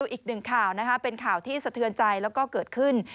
อีกหนึ่งข่าวนะคะเป็นข่าวที่สะเทือนใจแล้วก็เกิดขึ้น